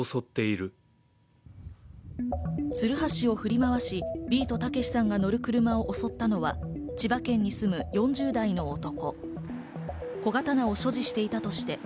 つるはしを振り回し、ビートたけしさんが乗る車を襲ったのは千葉県に住む４０代の男。